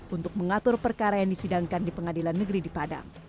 untuk mengatur perkara yang disidangkan di pengadilan negeri di padang